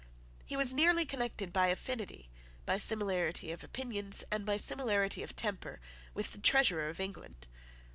He was nearly connected by affinity, by similarity of opinions, and by similarity of temper, with the Treasurer of England.